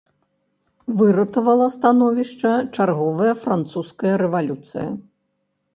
Выратавала становішча чарговая французская рэвалюцыя.